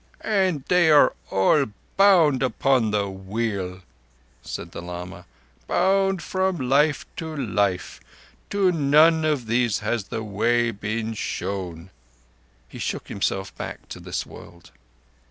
"And they are all bound upon the Wheel," said the lama. "Bound from life after life. To none of these has the Way been shown." He shook himself back to this world.